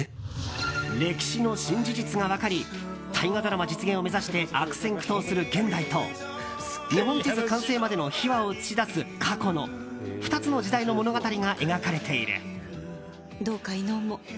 歴史の新事実が分かり大河ドラマ実現を目指して悪戦苦闘する現代と日本地図完成までの秘話を映し出す過去の２つの時代の物語が描かれている。